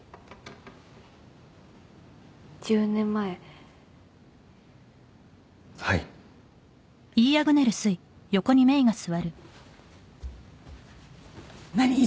１０年前はい何？